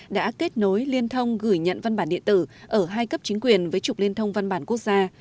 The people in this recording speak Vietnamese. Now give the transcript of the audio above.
đã kết nối liên thông gửi nhận văn bản điện tử ở hai cấp chính quyền với trục liên thông văn bản quốc gia